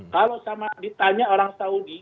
kalau sama ditanya orang saudi